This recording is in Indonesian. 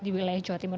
di wilayah jawa timur